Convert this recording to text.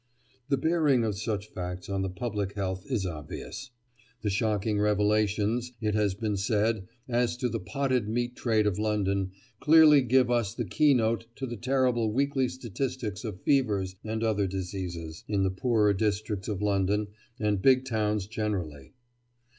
The bearing of such facts on the public health is obvious. "The shocking revelations," it has been said, "as to the potted meat trade of London, clearly give us the key note to the terrible weekly statistics of fevers and other diseases in the poorer districts of London and big towns generally.